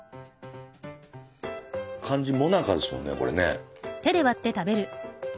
感じもなかですもんねこれね。